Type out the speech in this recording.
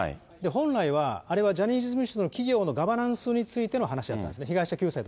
本来はあれはジャニーズ事務所の企業のガバナンスについての話だったんですね、被害者救済。